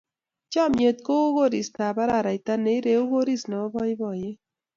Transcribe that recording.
Chomnyet kou koristab araraita ne ireu koris nebo boiboiyet.